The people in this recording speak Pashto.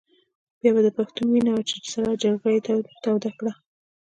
بیا د پښتون وینه وه چې سړه جګړه یې توده کړه.